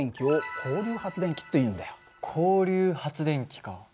交流発電機か。